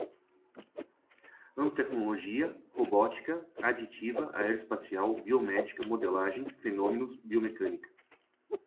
Nanotecnologia, robótica, aditiva, aeroespacial, biomédica, modelagem, fenômenos, biomecânica